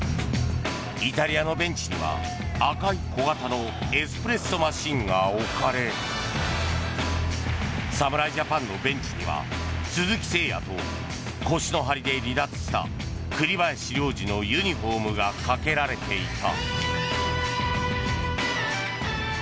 イタリアのベンチには赤い小型のエスプレッソマシンが置かれ侍ジャパンのベンチには鈴木誠也と腰の張りで離脱した栗林良吏のユニホームがかけられていた。